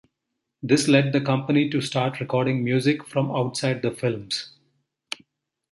This led the company to start recording music from outside the films.